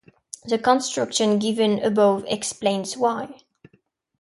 The construction given above explains why.